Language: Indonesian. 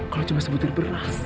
kalau cuma sebutin beras